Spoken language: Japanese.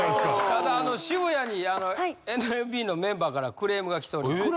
ただ渋谷にＮＭＢのメンバーからクレームがきております。